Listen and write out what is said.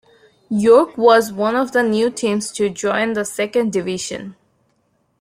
York was one of the new teams to join the second division.